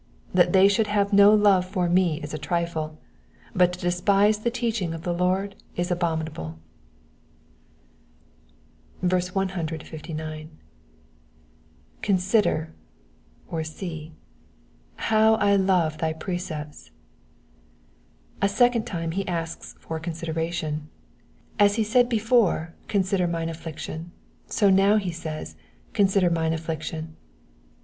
That they should have no love for me is a trifle ; but to despise the teaching of the Lord is abominable. 159. ^^ Consider,'*'* or see, A<?w I love thy precepts.'*'* A second time he asks for consideration. As he said before, ^^ Consider mine afillction," so now he says, Consider mine affection."